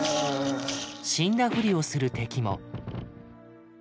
死んだふりをする敵も。